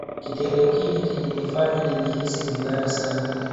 kitendo kile kilinifanya nijihisi vibaya sana